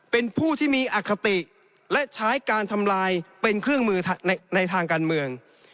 เป็นผู้ที่มีอคติและใช้การทำลายเป็นเครื่องมือในทางการเมือง